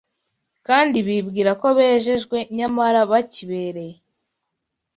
kandi bibwira ko bejejwe nyamara bakibereye